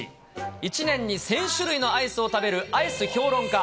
１年に１０００種類のアイスを食べるアイス評論家。